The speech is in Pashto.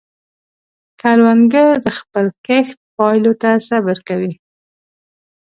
کروندګر د خپل کښت پایلو ته صبر کوي